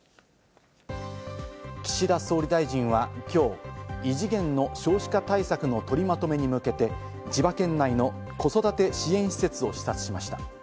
岸田総理大臣は、きょう異次元の少子化対策の取りまとめに向けて千葉県内の子育て支援施設を視察しました。